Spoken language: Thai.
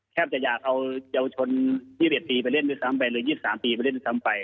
จะอยากเอาเยาวชน๒๑ปีไปเล่นด้วยซ้ำไปหรือ๒๓ปีไปเล่นด้วยซ้ำไป